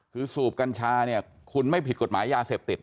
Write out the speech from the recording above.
คือสูบกัญชาเนี่ยคุณไม่ผิดกฎหมายยาเสพติด